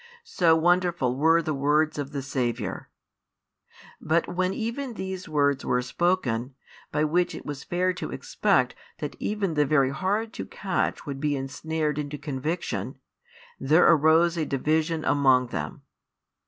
So wonderful were the words of the Saviour. But when even these words were spoken, by which it was fair to expect that even the very hard to catch would be ensnared into conviction, there arose a division among them.